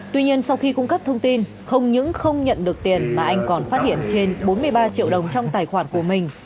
tuy nhiên sau khi cung cấp thông tin không những không nhận được tiền mà anh còn phát hiện trên bốn mươi ba triệu đồng trong tài khoản của mình